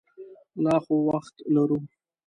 لا خو وخت لرو.